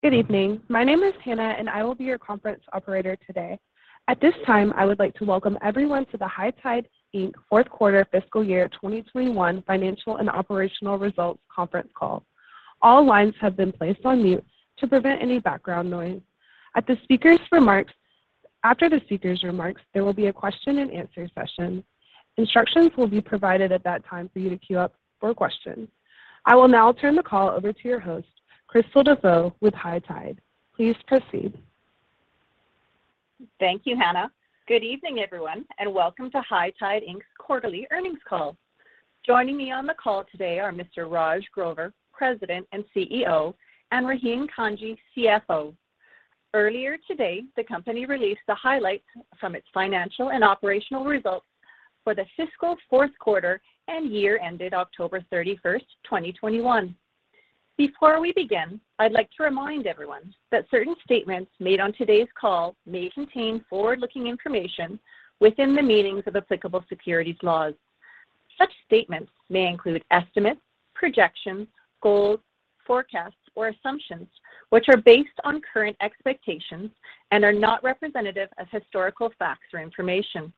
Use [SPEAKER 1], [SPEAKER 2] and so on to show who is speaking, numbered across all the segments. [SPEAKER 1] Good evening. My name is Hannah, and I will be your conference operator today. At this time, I would like to welcome everyone to the High Tide Inc. fourth quarter fiscal year 2021 financial and operational results conference call. All lines have been placed on mute to prevent any background noise. At the speaker's remarks. After the speaker's remarks, there will be a question and answer session. Instructions will be provided at that time for you to queue up for questions. I will now turn the call over to your host, Krystal Dafoe with High Tide. Please proceed.
[SPEAKER 2] Thank you, Hannah. Good evening, everyone, and welcome to High Tide Inc.'s quarterly earnings call. Joining me on the call today are Mr. Raj Grover, President and CEO, and Rahim Kanji, CFO. Earlier today, the company released the highlights from its financial and operational results for the fiscal fourth quarter and year ended October 31, 2021. Before we begin, I'd like to remind everyone that certain statements made on today's call may contain forward-looking information within the meanings of applicable securities laws. Such statements may include estimates, projections, goals, forecasts, or assumptions, which are based on current expectations and are not representative of historical facts or information.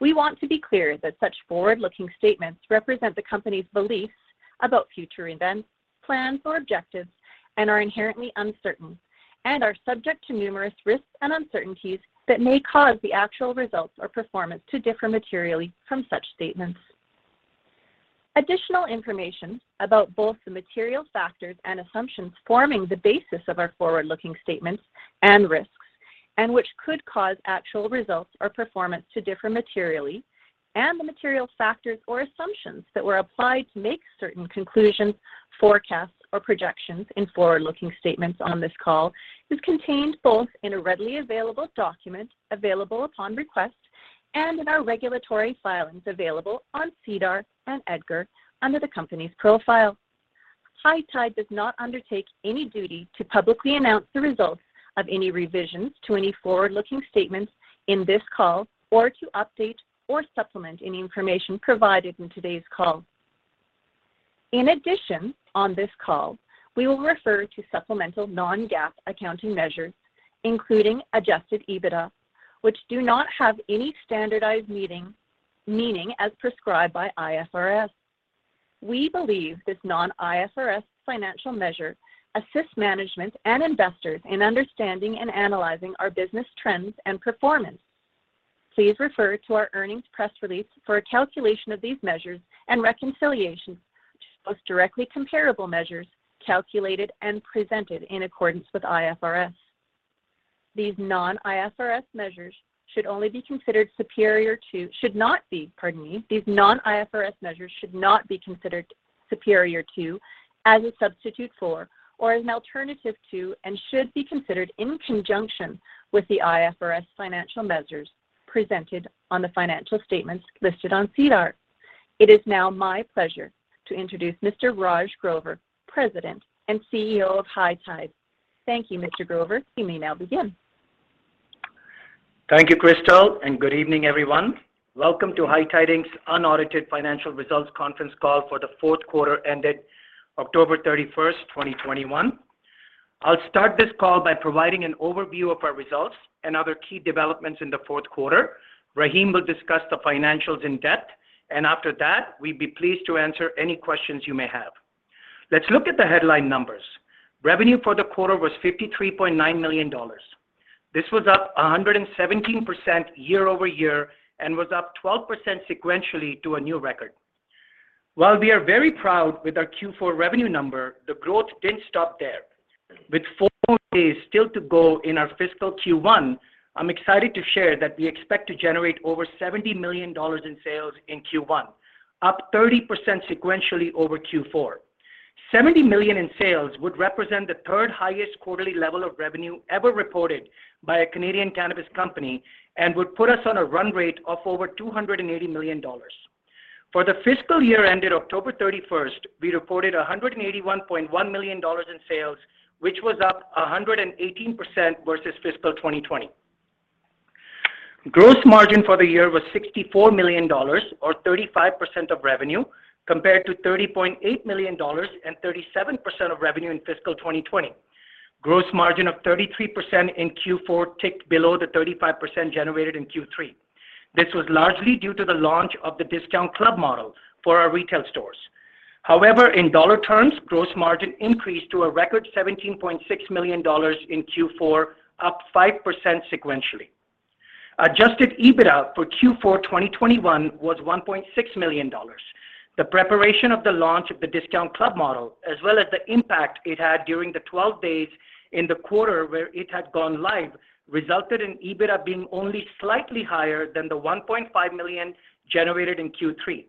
[SPEAKER 2] We want to be clear that such forward-looking statements represent the company's beliefs about future events, plans, or objectives and are inherently uncertain and are subject to numerous risks and uncertainties that may cause the actual results or performance to differ materially from such statements. Additional information about both the material factors and assumptions forming the basis of our forward-looking statements and risks and which could cause actual results or performance to differ materially and the material factors or assumptions that were applied to make certain conclusions, forecasts, or projections in forward-looking statements on this call is contained both in a readily available document available upon request and in our regulatory filings available on SEDAR and EDGAR under the company's profile. High Tide does not undertake any duty to publicly announce the results of any revisions to any forward-looking statements in this call or to update or supplement any information provided in today's call. In addition, on this call, we will refer to supplemental non-GAAP accounting measures, including Adjusted EBITDA, which do not have any standardized meaning as prescribed by IFRS. We believe this non-IFRS financial measure assists management and investors in understanding and analyzing our business trends and performance. Please refer to our earnings press release for a calculation of these measures and reconciliations to the most directly comparable measures calculated and presented in accordance with IFRS. These non-IFRS measures should not be. Pardon me. These non-IFRS measures should not be considered superior to, as a substitute for, or as an alternative to, and should be considered in conjunction with the IFRS financial measures presented on the financial statements listed on SEDAR. It is now my pleasure to introduce Mr. Raj Grover, President and CEO of High Tide. Thank you, Mr. Grover. You may now begin.
[SPEAKER 3] Thank you, Krystal, and good evening, everyone. Welcome to High Tide Inc.'s unaudited financial results conference call for the fourth quarter ended October 31, 2021. I'll start this call by providing an overview of our results and other key developments in the fourth quarter. Rahim will discuss the financials in depth, and after that, we'd be pleased to answer any questions you may have. Let's look at the headline numbers. Revenue for the quarter was 53.9 million dollars. This was up 117% year-over-year and was up 12% sequentially to a new record. While we are very proud with our Q4 revenue number, the growth didn't stop there. With four days still to go in our fiscal Q1, I'm excited to share that we expect to generate over 70 million dollars in sales in Q1, up 30% sequentially over Q4. 70 million in sales would represent the third highest quarterly level of revenue ever reported by a Canadian cannabis company and would put us on a run rate of over 280 million dollars. For the fiscal year ended October 31, we reported 181.1 million dollars in sales, which was up 118% versus fiscal 2020. Gross margin for the year was CAD 64 million or 35% of revenue compared to CAD 30.8 million and 37% of revenue in fiscal 2020. Gross margin of 33% in Q4 ticked below the 35% generated in Q3. This was largely due to the launch of the discount club model for our retail stores. However, in dollar terms, gross margin increased to a record 17.6 million dollars in Q4, up 5% sequentially. Adjusted EBITDA for Q4 2021 was CAD 1.6 million. The preparation of the launch of the discount club model, as well as the impact it had during the 12 days in the quarter where it had gone live, resulted in EBITDA being only slightly higher than the 1.5 million generated in Q3.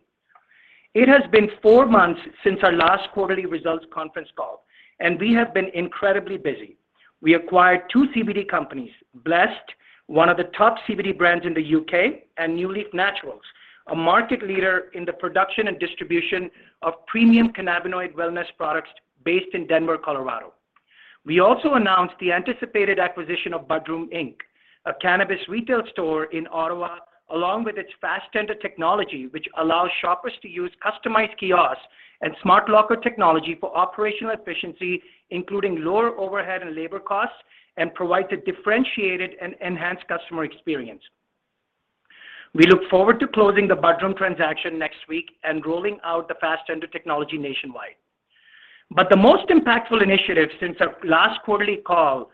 [SPEAKER 3] It has been four months since our last quarterly results conference call, and we have been incredibly busy. We acquired two CBD companies, Blessed CBD, one of the top CBD brands in the U.K., and NuLeaf Naturals, a market leader in the production and distribution of premium cannabinoid wellness products based in Denver, Colorado. We also announced the anticipated acquisition of Bud Room Inc., a cannabis retail store in Ottawa, along with its Fastendr technology, which allows shoppers to use customized kiosks and smart locker technology for operational efficiency, including lower overhead and labor costs, and provides a differentiated and enhanced customer experience. We look forward to closing the Bud Room transaction next week and rolling out the Fastendr technology nationwide. The most impactful initiative since our last quarterly call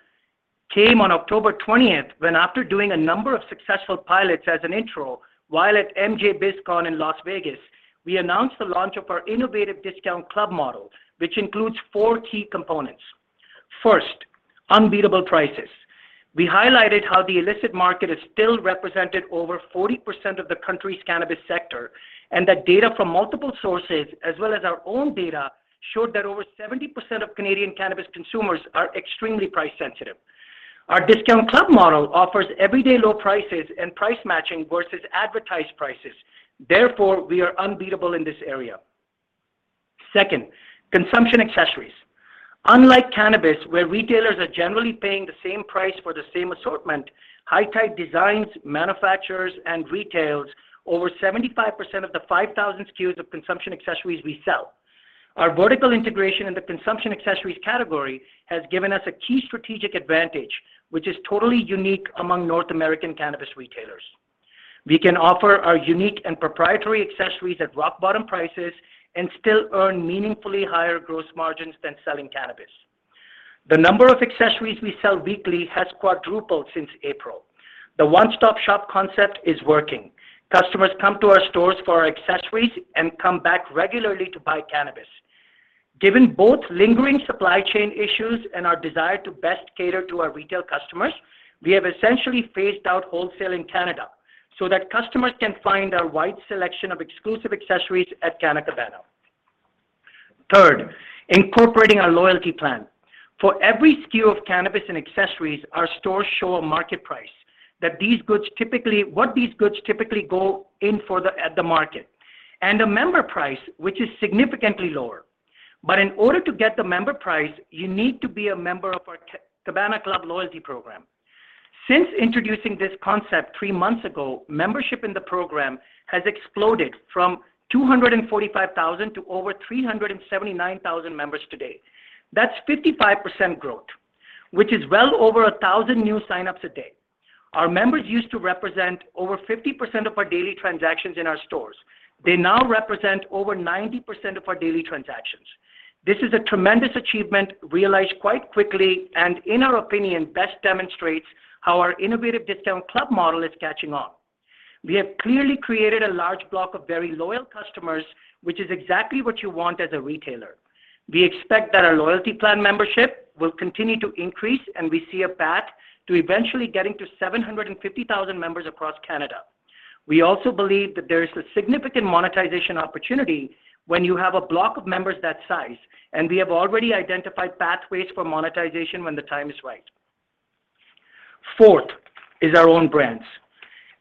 [SPEAKER 3] came on October 20th, when after doing a number of successful pilots as an intro while at MJBizCon in Las Vegas, we announced the launch of our innovative discount club model, which includes four key components. First, unbeatable prices. We highlighted how the illicit market has still represented over 40% of the country's cannabis sector, and that data from multiple sources as well as our own data showed that over 70% of Canadian cannabis consumers are extremely price-sensitive. Our discount club model offers everyday low prices and price matching versus advertised prices. Therefore, we are unbeatable in this area. Second, consumption accessories. Unlike cannabis, where retailers are generally paying the same price for the same assortment, High Tide designs, manufactures, and retails over 75% of the 5,000 SKUs of consumption accessories we sell. Our vertical integration in the consumption accessories category has given us a key strategic advantage, which is totally unique among North American cannabis retailers. We can offer our unique and proprietary accessories at rock-bottom prices and still earn meaningfully higher gross margins than selling cannabis. The number of accessories we sell weekly has quadrupled since April. The one-stop-shop concept is working. Customers come to our stores for our accessories and come back regularly to buy cannabis. Given both lingering supply chain issues and our desire to best cater to our retail customers, we have essentially phased out wholesale in Canada so that customers can find our wide selection of exclusive accessories at Canna Cabana. Third, incorporating our loyalty plan. For every SKU of cannabis and accessories, our stores show a market price, what these goods typically go for at the market, and a member price, which is significantly lower. In order to get the member price, you need to be a member of our Cabana Club loyalty program. Since introducing this concept three months ago, membership in the program has exploded from 245,000 to over 379,000 members today. That's 55% growth, which is well over 1,000 new sign-ups a day. Our members used to represent over 50% of our daily transactions in our stores. They now represent over 90% of our daily transactions. This is a tremendous achievement realized quite quickly and, in our opinion, best demonstrates how our innovative discount club model is catching on. We have clearly created a large block of very loyal customers, which is exactly what you want as a retailer. We expect that our loyalty plan membership will continue to increase, and we see a path to eventually getting to 750,000 members across Canada. We also believe that there is a significant monetization opportunity when you have a block of members that size, and we have already identified pathways for monetization when the time is right. Fourth is our own brands.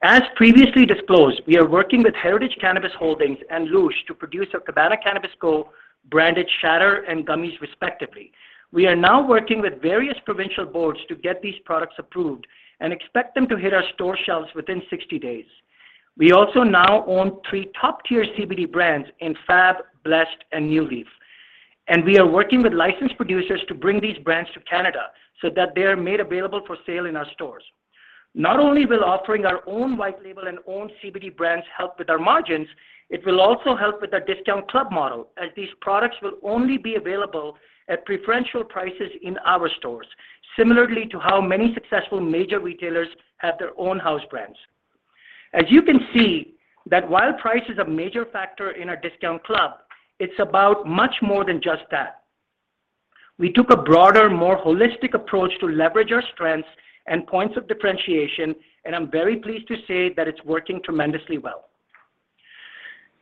[SPEAKER 3] As previously disclosed, we are working with Heritage Cannabis Holdings and Loosh to produce our Cabana Cannabis Co.-branded shatter and gummies, respectively. We are now working with various provincial boards to get these products approved and expect them to hit our store shelves within 60 days. We also now own three top-tier CBD brands in Fab, Blessed, and NuLeaf, and we are working with licensed producers to bring these brands to Canada so that they are made available for sale in our stores. Not only will offering our own white label and own CBD brands help with our margins, it will also help with our discount club model as these products will only be available at preferential prices in our stores. Similarly to how many successful major retailers have their own house brands. As you can see, that while price is a major factor in our discount club, it's about much more than just that. We took a broader, more holistic approach to leverage our strengths and points of differentiation, and I'm very pleased to say that it's working tremendously well.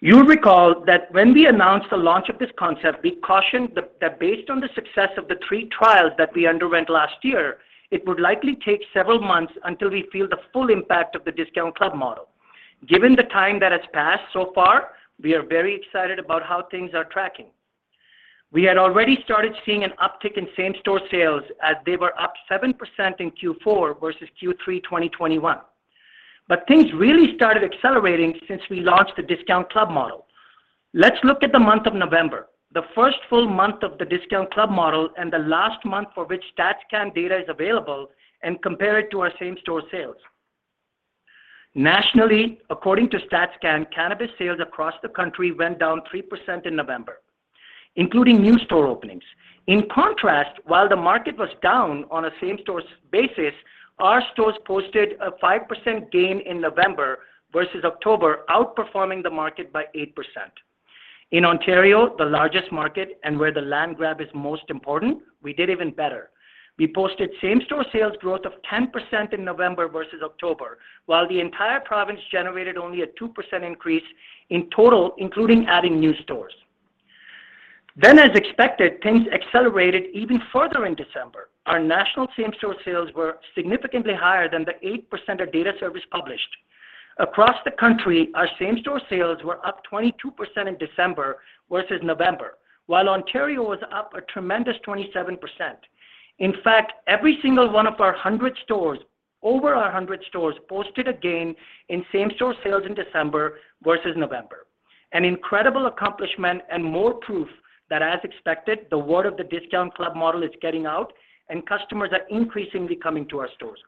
[SPEAKER 3] You'll recall that when we announced the launch of this concept, we cautioned that based on the success of the three trials that we underwent last year, it would likely take several months until we feel the full impact of the discount club model. Given the time that has passed so far, we are very excited about how things are tracking. We had already started seeing an uptick in same-store sales as they were up 7% in Q4 versus Q3 2021. Things really started accelerating since we launched the discount club model. Let's look at the month of November, the first full month of the discount club model and the last month for which StatsCan data is available and compare it to our same-store sales. Nationally, according to StatsCan, cannabis sales across the country went down 3% in November, including new store openings. In contrast, while the market was down on a same-store basis, our stores posted a 5% gain in November versus October, outperforming the market by 8%. In Ontario, the largest market and where the land grab is most important, we did even better. We posted same-store sales growth of 10% in November versus October, while the entire province generated only a 2% increase in total, including adding new stores. As expected, things accelerated even further in December. Our national same-store sales were significantly higher than the 8% our data service published. Across the country, our same-store sales were up 22% in December versus November, while Ontario was up a tremendous 27%. In fact, every single one of our over 100 stores posted a gain in same-store sales in December versus November. An incredible accomplishment and more proof that, as expected, the word of the discount club model is getting out and customers are increasingly coming to our stores.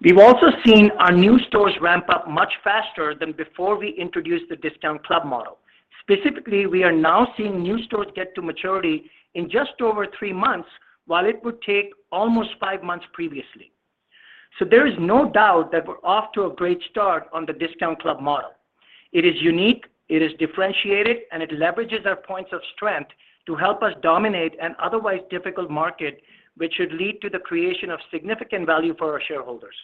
[SPEAKER 3] We've also seen our new stores ramp up much faster than before we introduced the discount club model. Specifically, we are now seeing new stores get to maturity in just over three months, while it would take almost five months previously. There is no doubt that we're off to a great start on the discount club model. It is unique, it is differentiated, and it leverages our points of strength to help us dominate an otherwise difficult market which should lead to the creation of significant value for our shareholders.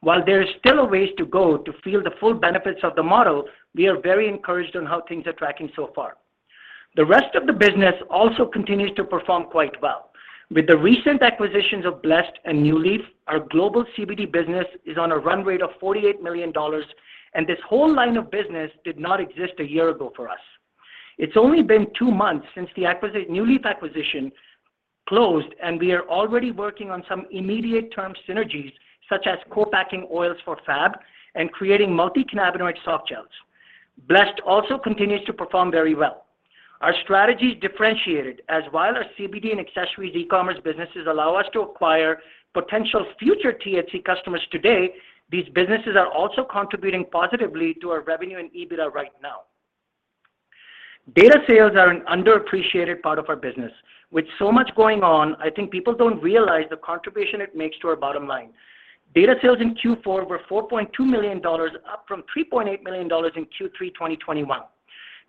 [SPEAKER 3] While there is still a ways to go to feel the full benefits of the model, we are very encouraged on how things are tracking so far. The rest of the business also continues to perform quite well. With the recent acquisitions of Blessed and NuLeaf, our global CBD business is on a run rate of 48 million dollars, and this whole line of business did not exist a year ago for us. It's only been two months since the NuLeaf acquisition closed, and we are already working on some immediate term synergies, such as co-packing oils for FAB and creating multi-cannabinoid softgels. Blessed also continues to perform very well. Our strategy is differentiated as while our CBD and accessories e-commerce businesses allow us to acquire potential future THC customers today, these businesses are also contributing positively to our revenue and EBITDA right now. Data sales are an underappreciated part of our business. With so much going on, I think people don't realize the contribution it makes to our bottom line. Data sales in Q4 were 4.2 million dollars, up from 3.8 million dollars in Q3 2021.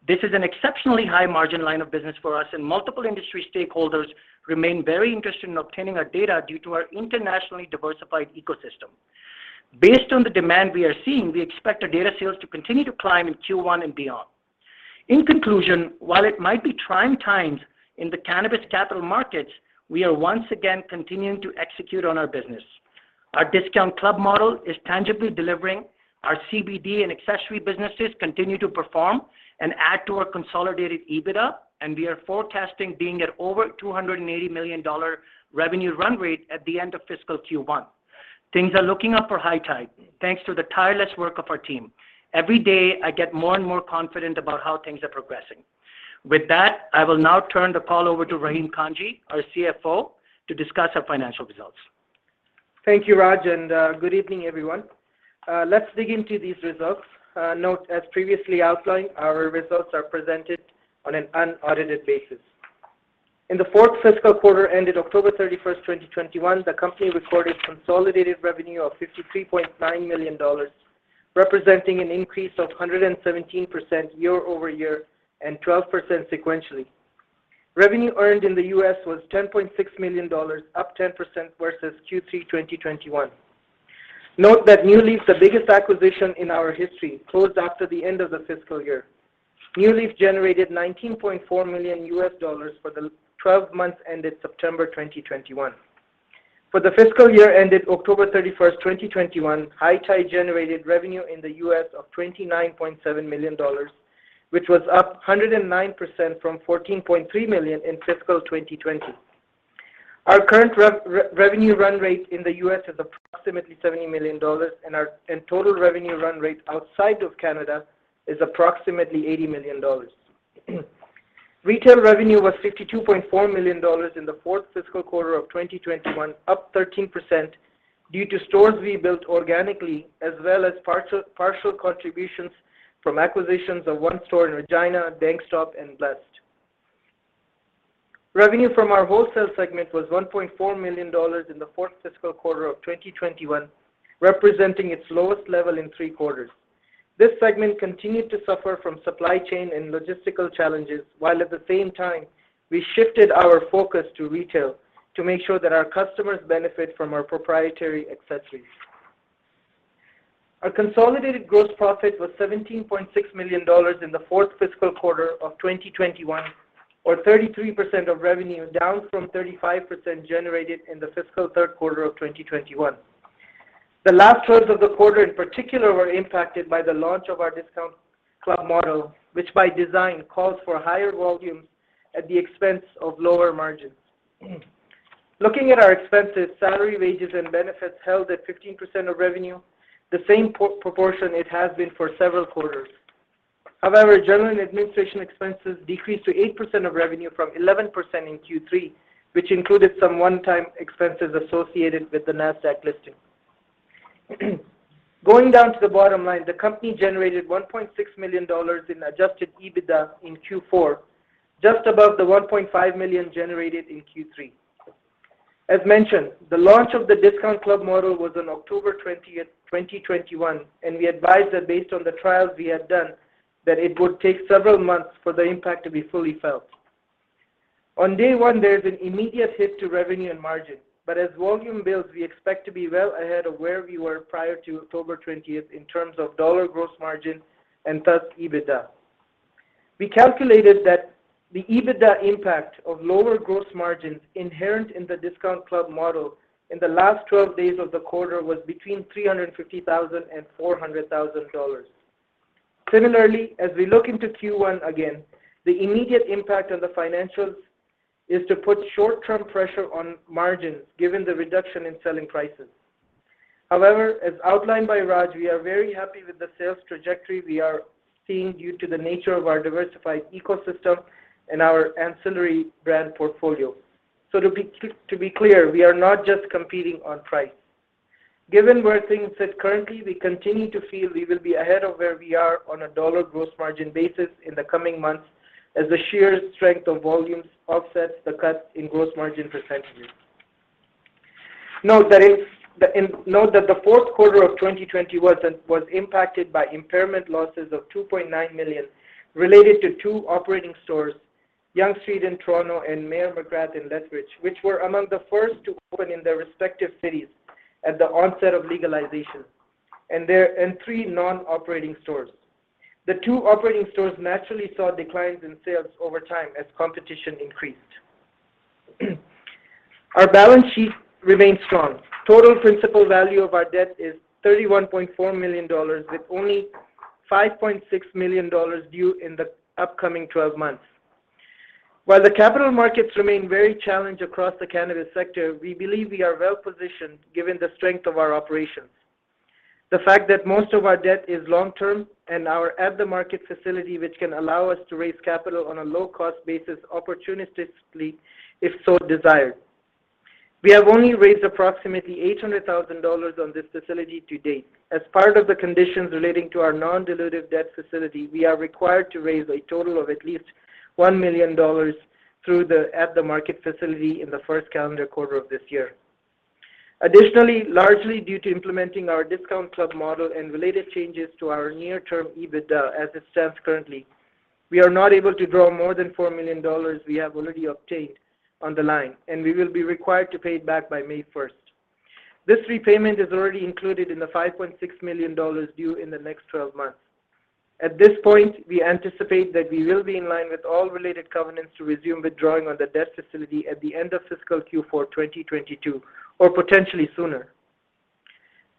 [SPEAKER 3] This is an exceptionally high margin line of business for us, and multiple industry stakeholders remain very interested in obtaining our data due to our internationally diversified ecosystem. Based on the demand we are seeing, we expect our data sales to continue to climb in Q1 and beyond. In conclusion, while it might be trying times in the cannabis capital markets, we are once again continuing to execute on our business. Our discount club model is tangibly delivering, our CBD and accessory businesses continue to perform and add to our consolidated EBITDA, and we are forecasting being at over 280 million-dollar revenue run rate at the end of fiscal Q1. Things are looking up for High Tide, thanks to the tireless work of our team. Every day, I get more and more confident about how things are progressing. With that, I will now turn the call over to Rahim Kanji, our CFO, to discuss our financial results.
[SPEAKER 4] Thank you, Raj, and good evening, everyone. Let's dig into these results. Note, as previously outlined, our results are presented on an unaudited basis. In the fourth fiscal quarter ended October 31, 2021, the company recorded consolidated revenue of 53.9 million dollars, representing an increase of 117% year-over-year and 12% sequentially. Revenue earned in the U.S. was $10.6 million, up 10% versus Q3 2021. Note that NuLeaf, the biggest acquisition in our history, closed after the end of the fiscal year. NuLeaf generated $19.4 million for the twelve months ended September 2021. For the fiscal year ended October 31, 2021, High Tide generated revenue in the U.S. of $29.7 million, which was up 109% from $14.3 million in fiscal 2020. Our current revenue run rate in the U.S. is approximately $70 million, and our total revenue run rate outside of Canada is approximately $80 million. Retail revenue was 52.4 million dollars in the fourth fiscal quarter of 2021, up 13% due to stores we built organically as well as partial contributions from acquisitions of one store in Regina, DankStop and Blessed. Revenue from our wholesale segment was 1.4 million dollars in the fourth fiscal quarter of 2021, representing its lowest level in three quarters. This segment continued to suffer from supply chain and logistical challenges, while at the same time, we shifted our focus to retail to make sure that our customers benefit from our proprietary accessories. Our consolidated gross profit was 17.6 million dollars in the fourth fiscal quarter of 2021, or 33% of revenue, down from 35% generated in the fiscal third quarter of 2021. The last thirds of the quarter in particular were impacted by the launch of our discount club model, which by design calls for higher volumes at the expense of lower margins. Looking at our expenses, salary, wages, and benefits held at 15% of revenue, the same proportion it has been for several quarters. However, general and administrative expenses decreased to 8% of revenue from 11% in Q3, which included some one-time expenses associated with the Nasdaq listing. Going down to the bottom line, the company generated 1.6 million dollars in Adjusted EBITDA in Q4, just above the 1.5 million generated in Q3. As mentioned, the launch of the discount club model was on October 20, 2021, and we advised that based on the trials we had done, that it would take several months for the impact to be fully felt. On day one, there is an immediate hit to revenue and margin, but as volume builds, we expect to be well ahead of where we were prior to October 20 in terms of dollar gross margin and thus EBITDA. We calculated that the EBITDA impact of lower gross margins inherent in the discount club model in the last 12 days of the quarter was between 350,000 and 400,000 dollars. Similarly, as we look into Q1 again, the immediate impact on the financials is to put short-term pressure on margins given the reduction in selling prices. However, as outlined by Raj, we are very happy with the sales trajectory we are seeing due to the nature of our diversified ecosystem and our ancillary brand portfolio. To be clear, we are not just competing on price. Given where things sit currently, we continue to feel we will be ahead of where we are on a dollar gross margin basis in the coming months as the sheer strength of volumes offsets the cuts in gross margin percentages. Note that the fourth quarter of 2020 was impacted by impairment losses of 2.9 million related to two operating stores, Yonge Street in Toronto and Mayor Magrath in Lethbridge, which were among the first to open in their respective cities at the onset of legalization, and three non-operating stores. The two operating stores naturally saw declines in sales over time as competition increased. Our balance sheet remains strong. Total principal value of our debt is 31.4 million dollars, with only 5.6 million dollars due in the upcoming 12 months. While the capital markets remain very challenged across the cannabis sector, we believe we are well-positioned given the strength of our operations. The fact that most of our debt is long-term and our at-the-market facility, which can allow us to raise capital on a low-cost basis opportunistically, if so desired. We have only raised approximately 800,000 dollars on this facility to date. As part of the conditions relating to our non-dilutive debt facility, we are required to raise a total of at least 1 million dollars through the at-the-market facility in the first calendar quarter of this year. Additionally, largely due to implementing our discount club model and related changes to our near-term EBITDA as it stands currently, we are not able to draw more than 4 million dollars we have already obtained on the line, and we will be required to pay it back by May 1st. This repayment is already included in the 5.6 million dollars due in the next twelve months. At this point, we anticipate that we will be in line with all related covenants to resume withdrawing on the debt facility at the end of fiscal Q4, 2022 or potentially sooner.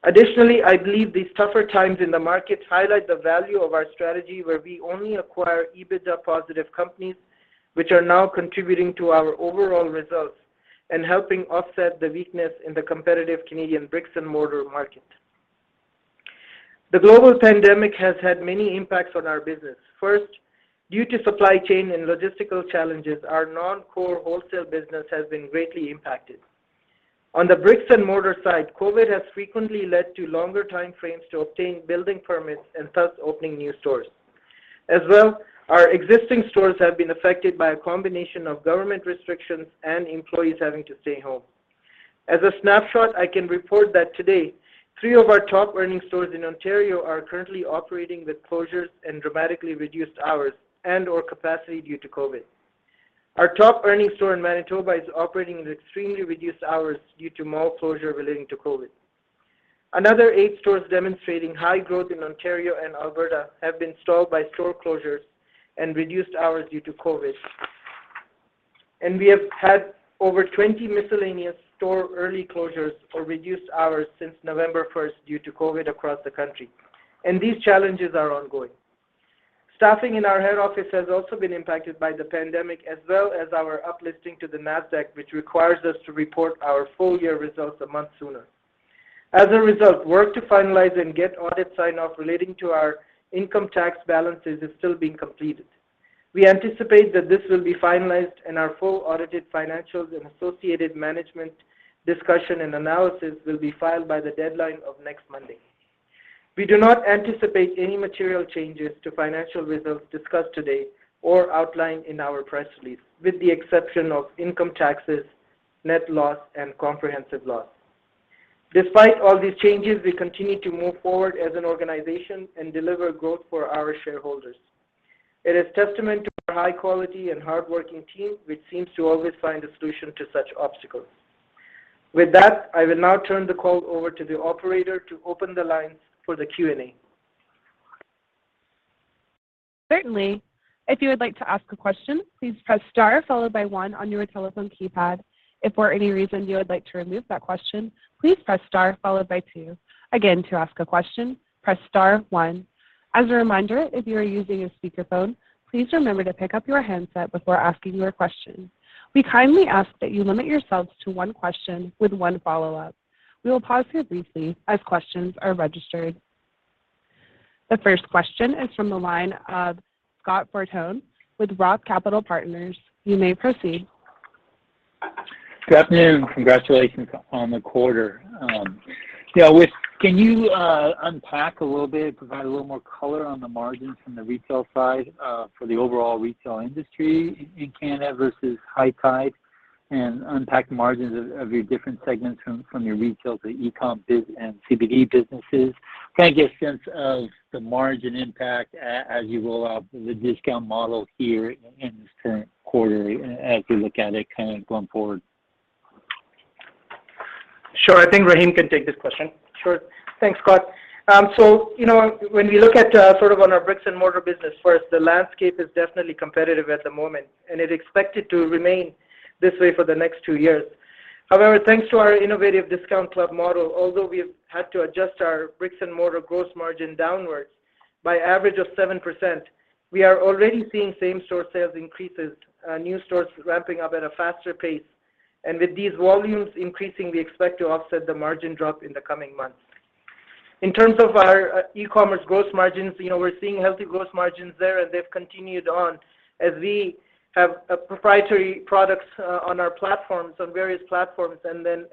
[SPEAKER 4] Additionally, I believe these tougher times in the market highlight the value of our strategy where we only acquire EBITDA positive companies which are now contributing to our overall results and helping offset the weakness in the competitive Canadian bricks and mortar market. The global pandemic has had many impacts on our business. First, due to supply chain and logistical challenges, our non-core wholesale business has been greatly impacted. On the bricks and mortar side, COVID has frequently led to longer time frames to obtain building permits and thus opening new stores. As well, our existing stores have been affected by a combination of government restrictions and employees having to stay home. As a snapshot, I can report that today, three of our top earning stores in Ontario are currently operating with closures and dramatically reduced hours and or capacity due to COVID. Our top earning store in Manitoba is operating with extremely reduced hours due to mall closure relating to COVID. Another eight stores demonstrating high growth in Ontario and Alberta have been stalled by store closures and reduced hours due to COVID. We have had over 20 miscellaneous store early closures or reduced hours since November 1 due to COVID across the country, and these challenges are ongoing. Staffing in our head office has also been impacted by the pandemic as well as our up-listing to the Nasdaq, which requires us to report our full year results a month sooner. As a result, work to finalize and get audit sign-off relating to our income tax balances is still being completed. We anticipate that this will be finalized and our full audited financials and associated management discussion and analysis will be filed by the deadline of next Monday. We do not anticipate any material changes to financial results discussed today or outlined in our press release, with the exception of income taxes, net loss and comprehensive loss. Despite all these changes, we continue to move forward as an organization and deliver growth for our shareholders. It is testament to our high quality and hardworking team, which seems to always find a solution to such obstacles. With that, I will now turn the call over to the operator to open the lines for the Q&A.
[SPEAKER 1] Certainly. If you would like to ask a question, please press star followed by one on your telephone keypad. If for any reason you would like to remove that question, please press star followed by two. Again, to ask a question, press star one. As a reminder, if you are using a speakerphone, please remember to pick up your handset before asking your question. We kindly ask that you limit yourselves to one question with one follow-up. We will pause here briefly as questions are registered. The first question is from the line of Scott Fortune with Roth Capital Partners. You may proceed.
[SPEAKER 5] Good afternoon. Congratulations on the quarter. Can you unpack a little bit, provide a little more color on the margins from the retail side, for the overall retail industry in Canada versus High Tide and unpack the margins of your different segments from your retail to e-com biz and CBD businesses? Can I get a sense of the margin impact as you roll out the discount model here in this current quarter as we look at it kind of going forward?
[SPEAKER 3] Sure. I think Rahim can take this question.
[SPEAKER 4] Sure. Thanks, Scott. So, you know, when we look at sort of on our bricks and mortar business first, the landscape is definitely competitive at the moment, and it's expected to remain this way for the next two years. However, thanks to our innovative discount club model, although we have had to adjust our bricks and mortar gross margin downwards by average of 7%, we are already seeing same-store sales increases, new stores ramping up at a faster pace. With these volumes increasing, we expect to offset the margin drop in the coming months. In terms of our e-commerce gross margins, you know, we're seeing healthy gross margins there, and they've continued on as we have proprietary products on our platforms, on various platforms. On the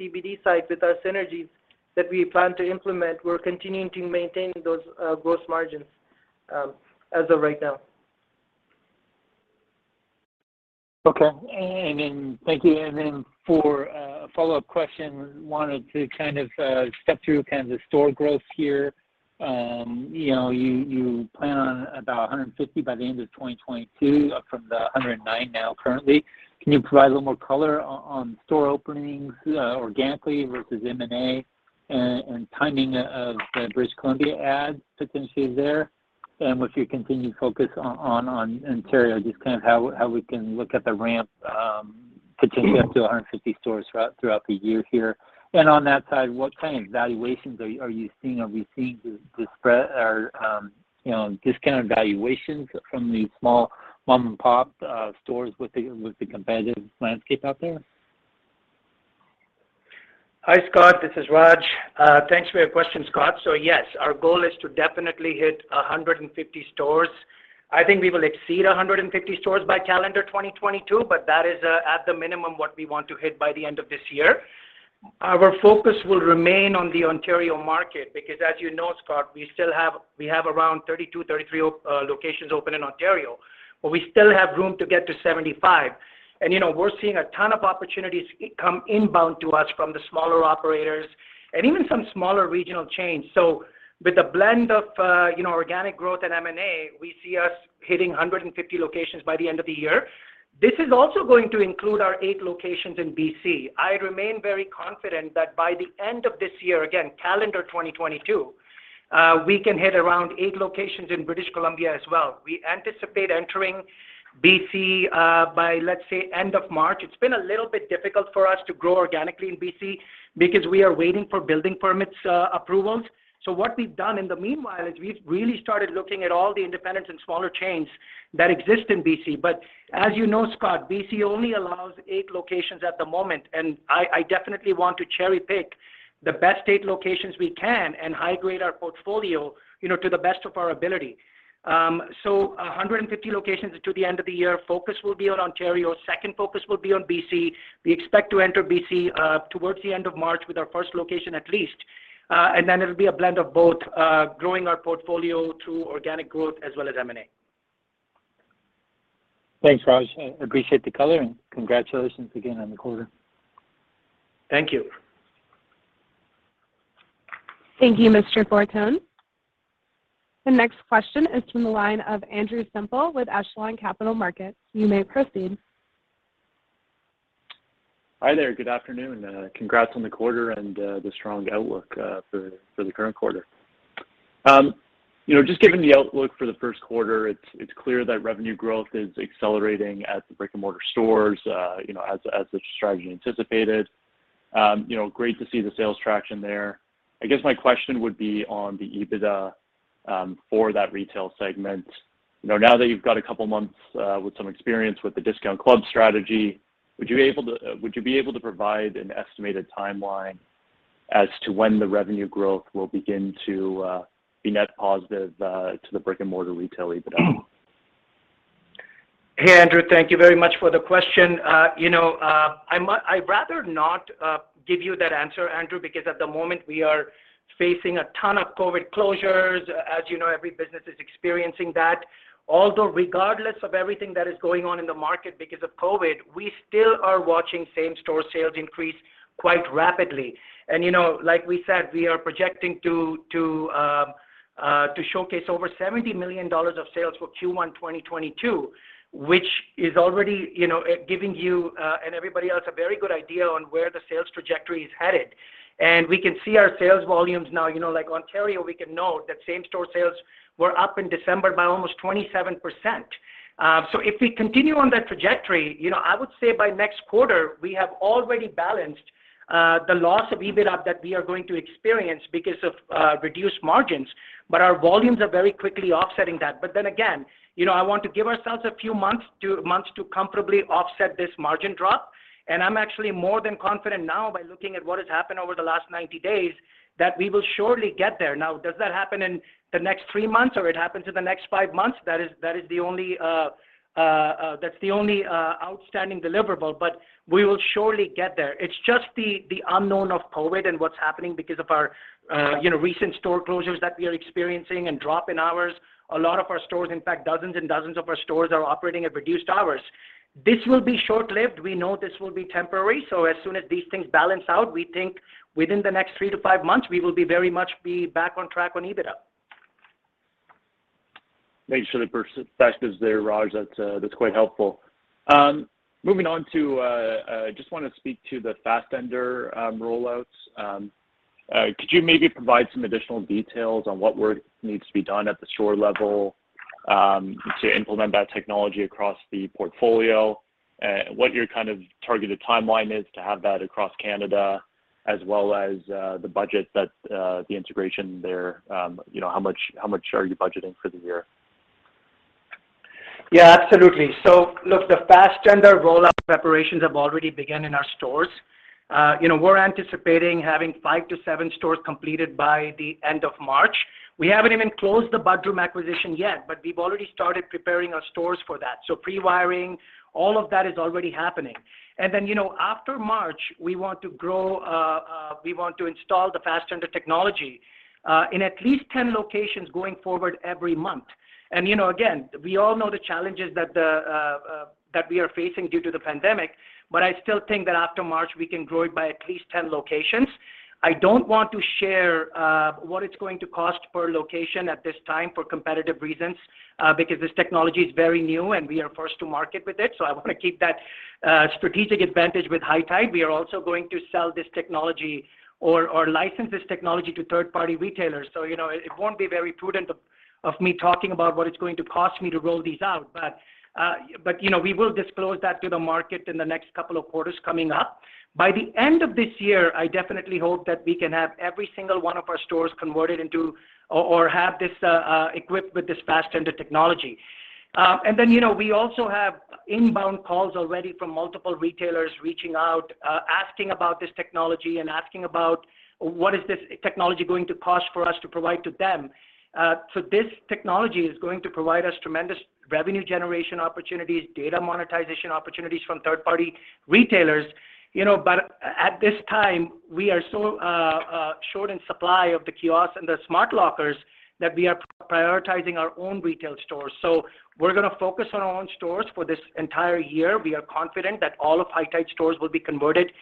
[SPEAKER 4] CBD side, with our synergies that we plan to implement, we're continuing to maintain those gross margins as of right now.
[SPEAKER 5] Okay. Thank you. For a follow-up question, wanted to kind of step through kind of the store growth here. You know, you plan on about 150 by the end of 2022, up from the 109 now currently. Can you provide a little more color on store openings, organically versus M&A and timing of the British Columbia adds potentially there, and with your continued focus on Ontario, just kind of how we can look at the ramp, potentially up to 150 stores throughout the year here. On that side, what kind of valuations are you seeing or receiving to spread or, you know, discounted valuations from the small mom-and-pop stores with the competitive landscape out there?
[SPEAKER 3] Hi, Scott. This is Raj. Thanks for your question, Scott. Yes, our goal is to definitely hit 150 stores. I think we will exceed 150 stores by calendar 2022, but that is, at the minimum what we want to hit by the end of this year. Our focus will remain on the Ontario market because as you know, Scott, we still have around 32, 33 locations open in Ontario, but we still have room to get to 75. You know, we're seeing a ton of opportunities come inbound to us from the smaller operators and even some smaller regional chains. With a blend of, you know, organic growth and M&A, we see us hitting 150 locations by the end of the year. This is also going to include our eight locations in BC. I remain very confident that by the end of this year, again, calendar 2022, we can hit around eight locations in British Columbia as well. We anticipate entering BC by, let's say, end of March. It's been a little bit difficult for us to grow organically in BC because we are waiting for building permits approvals. What we've done in the meanwhile is we've really started looking at all the independents and smaller chains that exist in BC. But as you know, Scott, BC only allows eight locations at the moment, and I definitely want to cherry-pick the best eight locations we can and high-grade our portfolio, you know, to the best of our ability. 150 locations to the end of the year. Focus will be on Ontario. Second focus will be on BC. We expect to enter BC, towards the end of March with our first location at least, and then it'll be a blend of both, growing our portfolio through organic growth as well as M&A.
[SPEAKER 5] Thanks, Raj. I appreciate the color, and congratulations again on the quarter.
[SPEAKER 3] Thank you.
[SPEAKER 1] Thank you, Mr. Fortune. The next question is from the line of Andrew Semple with Echelon Capital Markets. You may proceed.
[SPEAKER 6] Hi there. Good afternoon. Congrats on the quarter and the strong outlook for the current quarter. You know, just given the outlook for the first quarter, it's clear that revenue growth is accelerating at the brick-and-mortar stores, you know, as the strategy anticipated. You know, great to see the sales traction there. I guess my question would be on the EBITDA for that retail segment. You know, now that you've got a couple months with some experience with the discount club strategy, would you be able to provide an estimated timeline as to when the revenue growth will begin to be net positive to the brick-and-mortar retail EBITDA?
[SPEAKER 3] Hey, Andrew. Thank you very much for the question. You know, I'd rather not give you that answer, Andrew, because at the moment we are facing a ton of COVID closures. As you know, every business is experiencing that. Although, regardless of everything that is going on in the market because of COVID, we still are watching same-store sales increase quite rapidly. You know, like we said, we are projecting to showcase over 70 million dollars of sales for Q1 2022, which is already, you know, giving you and everybody else a very good idea on where the sales trajectory is headed. We can see our sales volumes now. You know, like Ontario, we can note that same-store sales were up in December by almost 27%. If we continue on that trajectory, you know, I would say by next quarter, we have already balanced the loss of EBITDA that we are going to experience because of reduced margins. Our volumes are very quickly offsetting that. Then again, you know, I want to give ourselves a few months to comfortably offset this margin drop, and I'm actually more than confident now by looking at what has happened over the last 90 days that we will surely get there. Now, does that happen in the next three months or it happen to the next five months? That is the only outstanding deliverable, but we will surely get there. It's just the unknown of COVID and what's happening because of our recent store closures that we are experiencing and drop in hours. A lot of our stores, in fact, dozens and dozens of our stores are operating at reduced hours. This will be short-lived. We know this will be temporary, so as soon as these things balance out, we think within the next 3 months-5 months, we will very much be back on track on EBITDA.
[SPEAKER 6] Make sure the perspective's there, Raj. That's quite helpful. Moving on to just wanna speak to the Fastendr rollouts. Could you maybe provide some additional details on what work needs to be done at the store level to implement that technology across the portfolio, what your kind of targeted timeline is to have that across Canada, as well as the budget that the integration there, you know, how much are you budgeting for the year?
[SPEAKER 3] Yeah, absolutely. Look, the Fastendr rollout preparations have already begun in our stores. You know, we're anticipating having 5 stores-7 stores completed by the end of March. We haven't even closed the Bud Room acquisition yet, but we've already started preparing our stores for that. Pre-wiring, all of that is already happening. Then, you know, after March, we want to install the Fastendr technology in at least 10 locations going forward every month. You know, again, we all know the challenges that we are facing due to the pandemic, but I still think that after March, we can grow it by at least 10 locations. I don't want to share what it's going to cost per location at this time for competitive reasons, because this technology is very new, and we are first to market with it, so I wanna keep that strategic advantage with High Tide. We are also going to sell this technology or license this technology to third-party retailers. You know, it won't be very prudent of me talking about what it's going to cost me to roll these out. You know, we will disclose that to the market in the next couple of quarters coming up. By the end of this year, I definitely hope that we can have every single one of our stores converted into or have this equipped with this Fastendr technology. You know, we also have inbound calls already from multiple retailers reaching out, asking about this technology and asking about what is this technology going to cost for us to provide to them. This technology is going to provide us tremendous revenue generation opportunities, data monetization opportunities from third-party retailers. You know, at this time, we are so short in supply of the kiosks and the smart lockers that we are prioritizing our own retail stores. We're gonna focus on our own stores for this entire year. We are confident that all of High Tide stores will be converted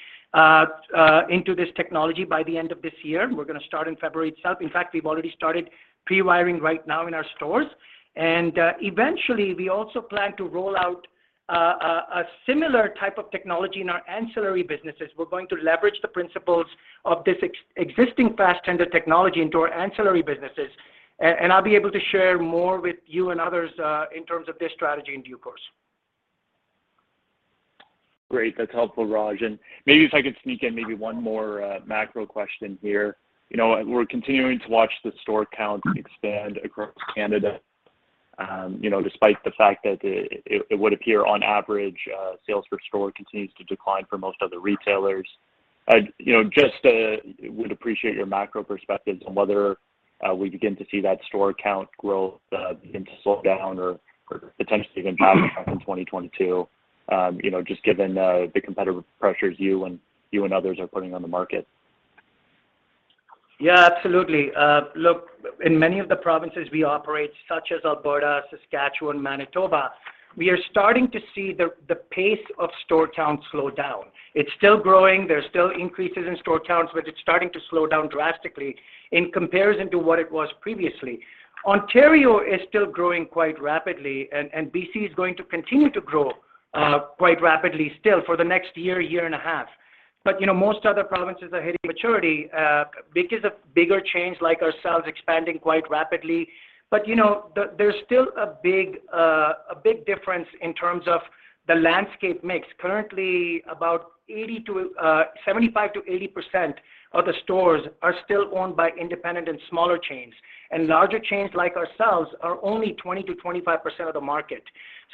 [SPEAKER 3] into this technology by the end of this year. We're gonna start in February itself. In fact, we've already started pre-wiring right now in our stores. Eventually, we also plan to roll out a similar type of technology in our ancillary businesses. We're going to leverage the principles of this existing Fastendr technology into our ancillary businesses. I'll be able to share more with you and others in terms of this strategy in due course.
[SPEAKER 6] Great. That's helpful, Raj. Maybe if I could sneak in maybe one more macro question here. You know, we're continuing to watch the store count expand across Canada, you know, despite the fact that it would appear on average sales per store continues to decline for most other retailers. I'd, you know, just would appreciate your macro perspective on whether we begin to see that store count growth begin to slow down or potentially even decline in 2022, you know, just given the competitive pressures you and others are putting on the market.
[SPEAKER 3] Yeah, absolutely. Look, in many of the provinces we operate, such as Alberta, Saskatchewan, Manitoba, we are starting to see the pace of store count slow down. It's still growing. There's still increases in store counts, but it's starting to slow down drastically in comparison to what it was previously. Ontario is still growing quite rapidly, and BC is going to continue to grow quite rapidly still for the next year and a half. You know, most other provinces are hitting maturity because of bigger chains like ourselves expanding quite rapidly. You know, there's still a big difference in terms of the landscape mix. Currently, about 75%-80% of the stores are still owned by independent and smaller chains, and larger chains like ourselves are only 20%-25% of the market.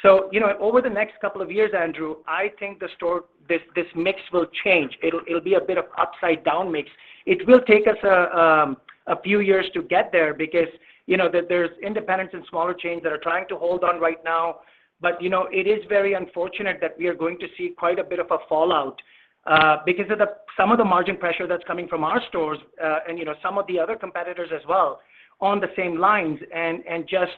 [SPEAKER 3] You know, over the next couple of years, Andrew, I think this mix will change. It'll be a bit of upside-down mix. It will take us a few years to get there because, you know, there's independents and smaller chains that are trying to hold on right now. You know, it is very unfortunate that we are going to see quite a bit of a fallout because of some of the margin pressure that's coming from our stores and, you know, some of the other competitors as well on the same lines and just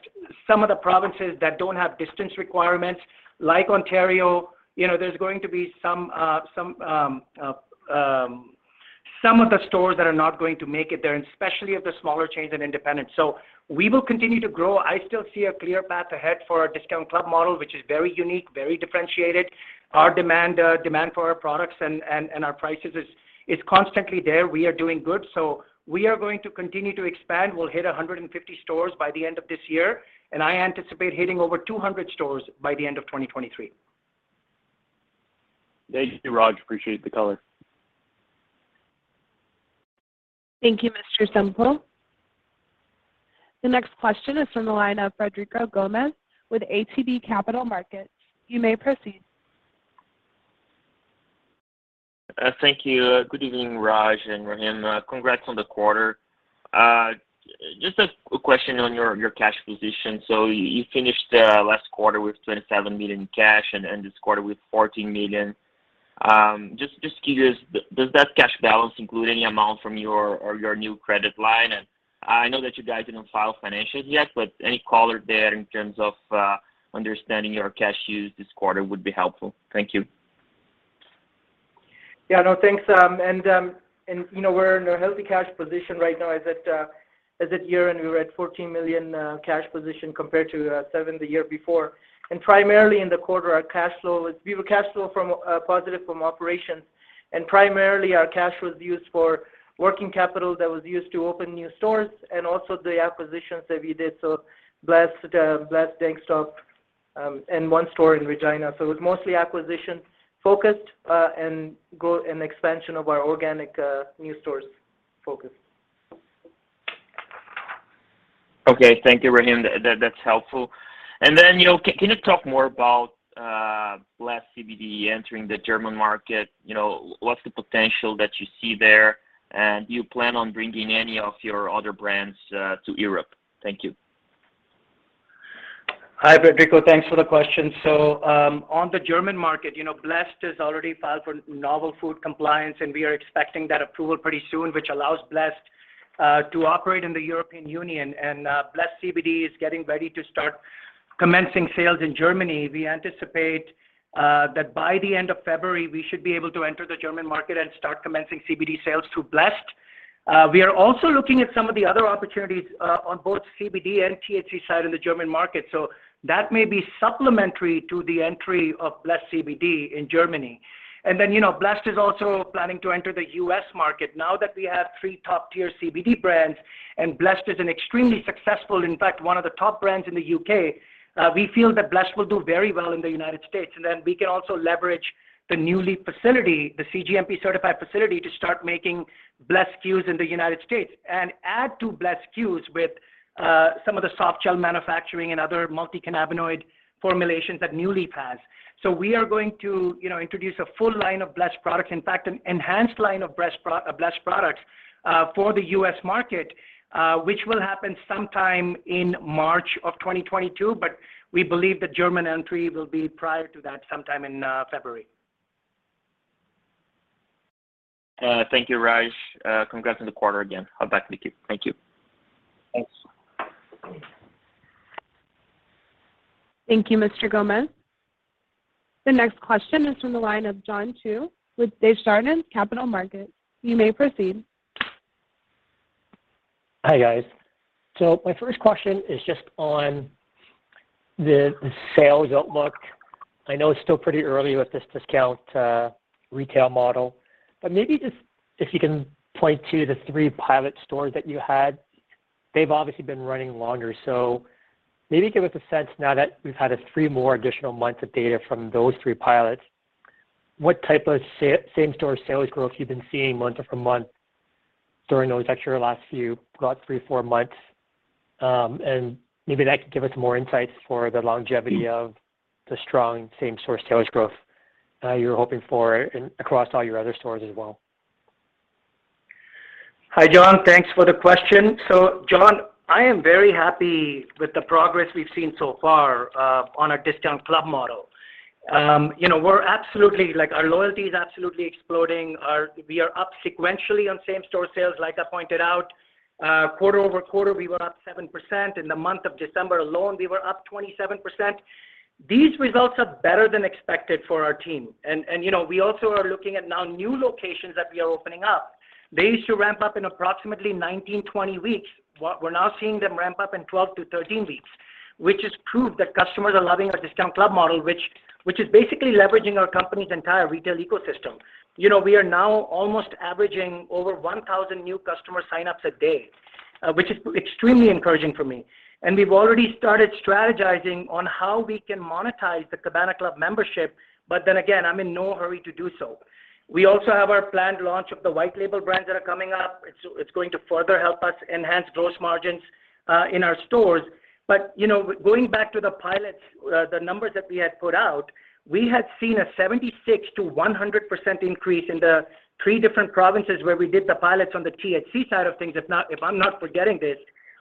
[SPEAKER 3] some of the provinces that don't have distance requirements, like Ontario. You know, there's going to be some of the stores that are not going to make it there, and especially of the smaller chains and independents. We will continue to grow. I still see a clear path ahead for our discount club model, which is very unique, very differentiated. Our demand for our products and our prices is constantly there. We are doing good. We are going to continue to expand. We'll hit 150 stores by the end of this year, and I anticipate hitting over 200 stores by the end of 2023.
[SPEAKER 6] Thank you, Raj. Appreciate the color.
[SPEAKER 1] Thank you, Mr. Semple. The next question is from the line of Frederico Gomes with ATB Capital Markets. You may proceed.
[SPEAKER 7] Thank you. Good evening, Raj and Rahim. Congrats on the quarter. Just a question on your cash position. You finished last quarter with 27 million in cash and this quarter with 14 million. Just curious, does that cash balance include any amount from your new credit line? I know that you guys didn't file financials yet, but any color there in terms of understanding your cash use this quarter would be helpful. Thank you.
[SPEAKER 4] Yeah, no, thanks. You know, we're in a healthy cash position right now. As at year-end, we were at 14 million cash position compared to 7 million the year before. Primarily in the quarter, we were cash flow positive from operations. Primarily, our cash was used for working capital that was used to open new stores and also the acquisitions that we did, so Blessed, DankStop, and one store in Regina. It was mostly acquisition-focused and expansion of our organic new stores focus.
[SPEAKER 7] Okay. Thank you, Rahim. That's helpful. Then, you know, can you talk more about Blessed CBD entering the German market? You know, what's the potential that you see there? Do you plan on bringing any of your other brands to Europe? Thank you.
[SPEAKER 3] Hi, Frederico. Thanks for the question. On the German market, Blessed has already filed for novel food compliance, and we are expecting that approval pretty soon, which allows Blessed to operate in the European Union. Blessed CBD is getting ready to start commencing sales in Germany. We anticipate that by the end of February, we should be able to enter the German market and start commencing sales through Blessed. We are also looking at some of the other opportunities on both CBD and THC side in the German market. That may be supplementary to the entry of Blessed CBD in Germany. Blessed is also planning to enter the U.S. market. Now that we have three top-tier CBD brands and Blessed is an extremely successful, in fact, one of the top brands in the U.K., we feel that Blessed will do very well in the United States. Then we can also leverage the NuLeaf facility, the cGMP-certified facility, to start making Blessed SKUs in the United States and add to Blessed SKUs with some of the soft gel manufacturing and other multi-cannabinoid formulations that NuLeaf has. We are going to, you know, introduce a full line of Blessed products, in fact, an enhanced line of Blessed products, for the U.S. market, which will happen sometime in March of 2022. We believe the German entry will be prior to that, sometime in February.
[SPEAKER 7] Thank you, Raj. Congrats on the quarter again. I'll back to you. Thank you.
[SPEAKER 3] Thanks.
[SPEAKER 1] Thank you, Mr. Gomes. The next question is from the line of John Chu with Desjardins Capital Markets. You may proceed.
[SPEAKER 8] Hi, guys. My first question is just on the sales outlook. I know it's still pretty early with this discount retail model, but maybe just if you can point to the three pilot stores that you had. They've obviously been running longer. Maybe give us a sense now that we've had three more additional months of data from those three pilots, what type of same-store sales growth you've been seeing month-over-month during those actual last few, about three, four months. And maybe that could give us more insights for the longevity of the strong same-store sales growth you're hoping for across all your other stores as well.
[SPEAKER 3] Hi, John. Thanks for the question. John, I am very happy with the progress we've seen so far on our discount club model. You know, we're absolutely like our loyalty is absolutely exploding. We are up sequentially on same-store sales, like I pointed out. Quarter-over-quarter, we were up 7%. In the month of December alone, we were up 27%. These results are better than expected for our team. You know, we also are looking at now new locations that we are opening up. They used to ramp up in approximately 19, 20 weeks. We're now seeing them ramp up in 12 weeks-13 weeks, which has proved that customers are loving our discount club model, which is basically leveraging our company's entire retail ecosystem. You know, we are now almost averaging over 1,000 new customer signups a day, which is extremely encouraging for me. We've already started strategizing on how we can monetize the Cabana Club membership, but then again, I'm in no hurry to do so. We also have our planned launch of the white label brands that are coming up. It's going to further help us enhance gross margins in our stores. You know, going back to the pilots, the numbers that we had put out, we had seen a 76%-100% increase in the three different provinces where we did the pilots on the THC side of things, if I'm not forgetting this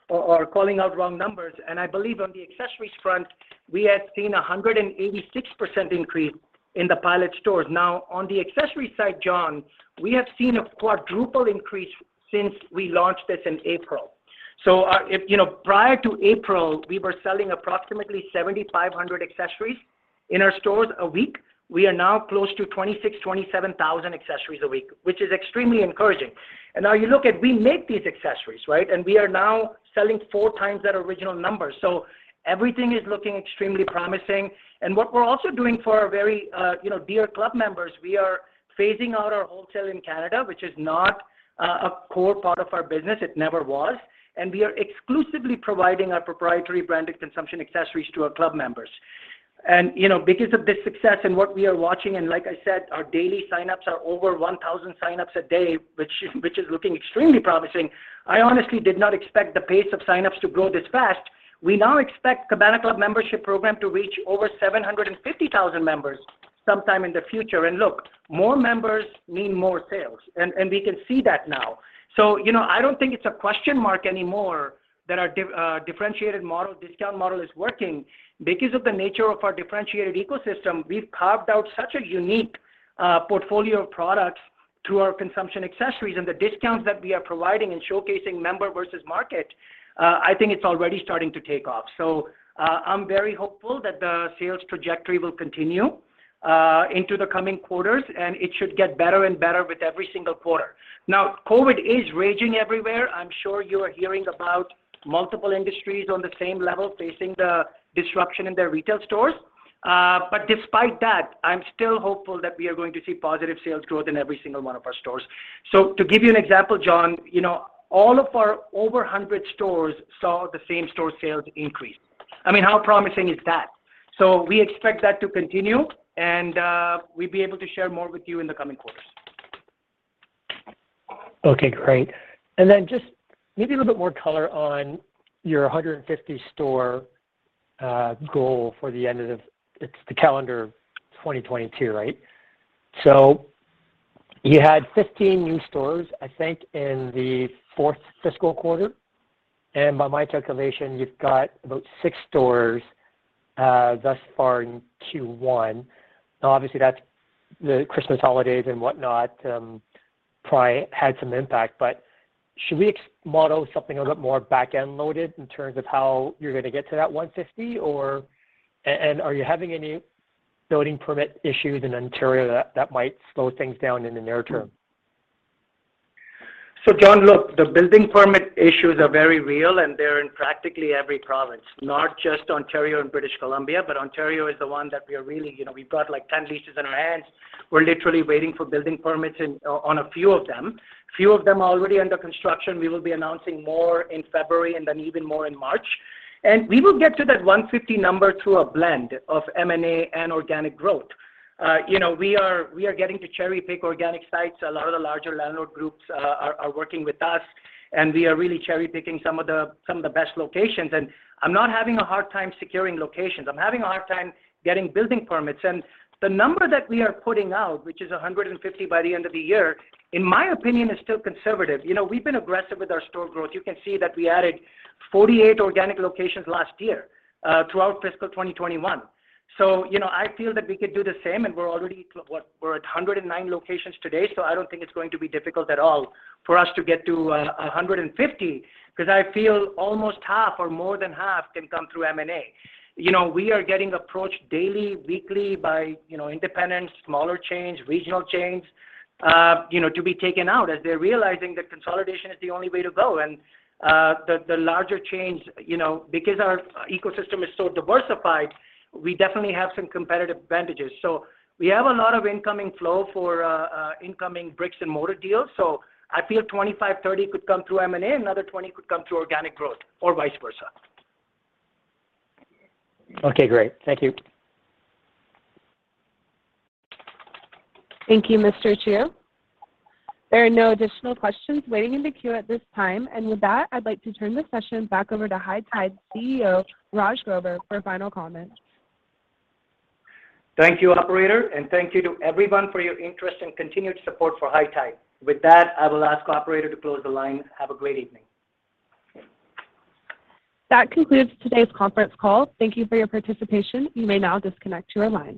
[SPEAKER 3] or calling out wrong numbers. I believe on the accessories front, we had seen a 186% increase in the pilot stores. Now, on the accessories side, John, we have seen a quadruple increase since we launched this in April. If prior to April, we were selling approximately 7,500 accessories in our stores a week. We are now close to 26,000-27,000 accessories a week, which is extremely encouraging. Now you look at, we make these accessories, right? We are now selling four times that original number. Everything is looking extremely promising. What we're also doing for our very dear club members, we are phasing out our wholesale in Canada, which is not a core part of our business. It never was. We are exclusively providing our proprietary branded consumption accessories to our club members. You know, because of this success and what we are watching, and like I said, our daily signups are over 1,000 signups a day, which is looking extremely promising. I honestly did not expect the pace of signups to grow this fast. We now expect Cabana Club membership program to reach over 750,000 members sometime in the future. Look, more members mean more sales, and we can see that now. You know, I don't think it's a question mark anymore that our differentiated model, discount model is working. Because of the nature of our differentiated ecosystem, we've carved out such a unique portfolio of products to our consumption accessories and the discounts that we are providing and showcasing member versus market. I think it's already starting to take off. I'm very hopeful that the sales trajectory will continue into the coming quarters, and it should get better and better with every single quarter. Now, COVID is raging everywhere. I'm sure you are hearing about multiple industries on the same level facing the disruption in their retail stores. Despite that, I'm still hopeful that we are going to see positive sales growth in every single one of our stores. To give you an example, John, you know, all of our over 100 stores saw the same-store sales increase. I mean, how promising is that? We expect that to continue, and we'd be able to share more with you in the coming quarters.
[SPEAKER 8] Okay. Great. Then just maybe a little bit more color on your 150 store goal for the end of the calendar 2022, right? So you had 15 new stores, I think, in the fourth fiscal quarter, and by my calculation, you've got about six stores thus far in Q1. Now, obviously, that's the Christmas holidays and whatnot, probably had some impact. But should we model something a little bit more back-end loaded in terms of how you're gonna get to that 150? And are you having any building permit issues in Ontario that might slow things down in the near term?
[SPEAKER 3] John, look, the building permit issues are very real, and they're in practically every province, not just Ontario and British Columbia. Ontario is the one that we are really, you know, we've got, like, ten leases in our hands. We're literally waiting for building permits in, on a few of them. A few of them are already under construction. We will be announcing more in February and then even more in March. We will get to that 150 number through a blend of M&A and organic growth. You know, we are getting to cherry-pick organic sites. A lot of the larger landlord groups are working with us, and we are really cherry-picking some of the best locations. I'm not having a hard time securing locations. I'm having a hard time getting building permits. The number that we are putting out, which is 150 by the end of the year, in my opinion, is still conservative. You know, we've been aggressive with our store growth. You can see that we added 48 organic locations last year throughout fiscal 2021. You know, I feel that we could do the same, and we're already we're at 109 locations today, so I don't think it's going to be difficult at all for us to get to 150 'cause I feel almost half or more than half can come through M&A. You know, we are getting approached daily, weekly by, you know, independent, smaller chains, regional chains, you know, to be taken out as they're realizing that consolidation is the only way to go. The larger chains, you know, because our ecosystem is so diversified, we definitely have some competitive advantages. We have a lot of incoming flow for incoming bricks and mortar deals. I feel 25-30 could come through M&A, another 20 could come through organic growth or vice versa.
[SPEAKER 8] Okay. Great. Thank you.
[SPEAKER 1] Thank you, Mr. Chu. There are no additional questions waiting in the queue at this time. With that, I'd like to turn the session back over to High Tide CEO, Raj Grover, for final comments.
[SPEAKER 3] Thank you, operator, and thank you to everyone for your interest and continued support for High Tide. With that, I will ask the operator to close the line. Have a great evening.
[SPEAKER 1] That concludes today's conference call. Thank you for your participation. You may now disconnect your line.